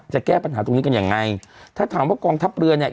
จะแก้ปัญหาตรงนี้กันยังไงถ้าถามว่ากองทัพเรือเนี่ย